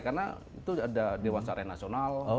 karena itu ada dewan syariah nasional